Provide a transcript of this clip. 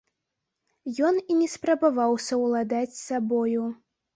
Ён і не спрабаваў саўладаць з сабою.